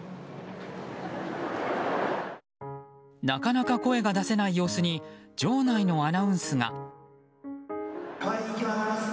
なかなか声が出せない様子に場内のアナウンスが。